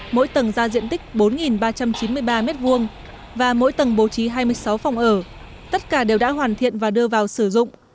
mỗi tầng ra diện tích bốn ba trăm chín mươi ba m hai và mỗi tầng bố trí hai mươi sáu phòng ở tất cả đều đã hoàn thiện và đưa vào sử dụng